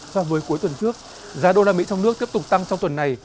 so với cuối tuần trước giá đô la mỹ trong nước tiếp tục tăng trong tuần này